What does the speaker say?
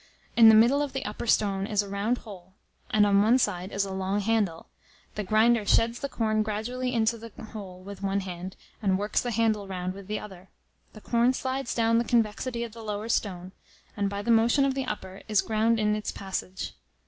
In the middle of the upper stone is a round hole, and on one side is a long handle. The grinder sheds the corn gradually into the hole with one hand, and works the handle round with the other. The corn slides down the convexity of the lower stone, and by the motion of the upper, is ground in its passage."